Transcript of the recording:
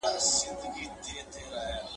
د پیرانو په خرقوکي شیطانان دي `